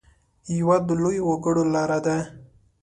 یوه د لویو وګړو لاره ده.